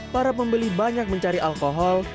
para pembeli banyak mencari alkohol